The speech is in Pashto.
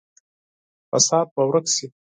فساد به ورک شي.